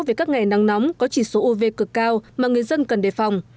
về các ngày nắng nóng có chỉ số uv cực cao mà người dân cần đề phòng